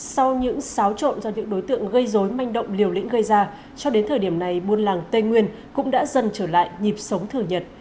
sau những xáo trộn do những đối tượng gây dối manh động liều lĩnh gây ra cho đến thời điểm này buôn làng tây nguyên cũng đã dần trở lại nhịp sống thừa nhật